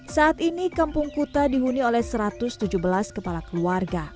saat ini kampung kuta dihuni oleh satu ratus tujuh belas kepala keluarga